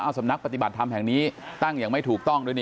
สำนักปฏิบัติธรรมแห่งนี้ตั้งอย่างไม่ถูกต้องด้วย